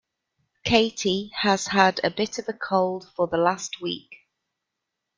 Katie has had a bit of a cold for the last week.